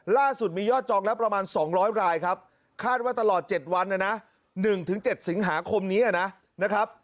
ล่าสุดมียอดจองแล้วประมาณ๒๐๐รายครับคาดว่าตลอด๗วันนะนะ๑๗สิงหาคมนี้นะครับ